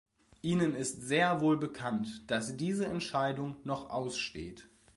Ihnen ist sehr wohl bekannt, dass diese Entscheidung noch aussteht.